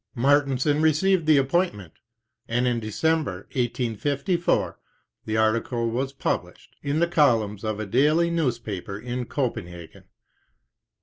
Martensen received the appointment, and in December, 1854, the article was published, in the columns of a daily newspaper in Copenhagen.